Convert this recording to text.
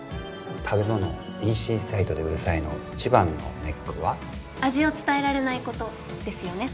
食べ物をＥＣサイトで売る際の一番のネックは味を伝えられないことですよね